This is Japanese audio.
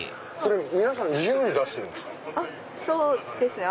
皆さん自由に出してるんですか？